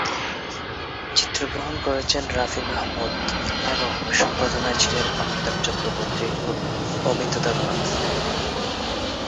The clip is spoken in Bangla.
চিত্রগ্রহণ করেছেন রাফি মাহমুদ এবং সম্পাদনায় ছিলেন অমিতাভ চক্রবর্তী ও অমিত দেবনাথ।